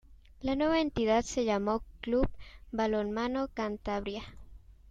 La nueva entidad se llamó Club Balonmano Cantabria.